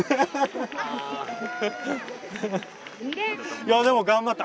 いやでも頑張った。